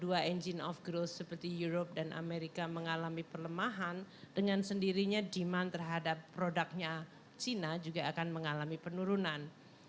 dan juga engine of growth seperti europe dan amerika mengalami perlemahan dengan sendirinya demand terhadap produknya china juga akan mengalami penurunan